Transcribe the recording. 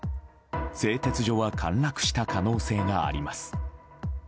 製鉄所は陥落した可能性があります。